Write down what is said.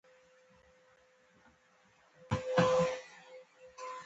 د اوبو د لګولو وخت باید د نبات اړتیاوو سره برابر وي.